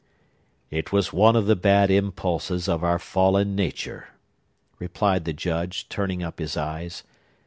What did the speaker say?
"It was one of the bad impulses of our fallen nature," replied the Judge, turning up his eyes.